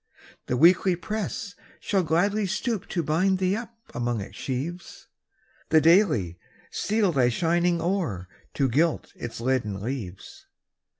The Weekly press shall gladly stoop To bind thee up among its sheaves; The Daily steal thy shining ore, To gild its leaden leaves.